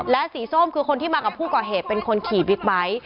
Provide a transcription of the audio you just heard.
และสีส้มคือคนที่มากับผู้ก่อเหตุเป็นคนขี่บิ๊กไบท์